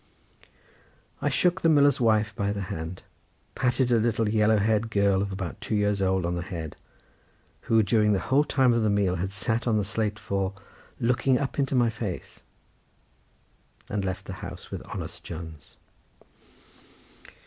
I shook the miller's wife by the hand, patted a little yellow haired girl of about two years old on the head who during the whole time of the meal had sat on the slate floor looking up into my face, and left the house with honest Jones.